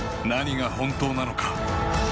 何が本当なのか？